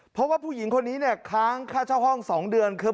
เพราะว่าผู้หญิงคนนี้เนี่ยค้างค่าเช่าห้อง๒เดือนคือ